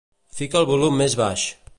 Fica el volum més baix.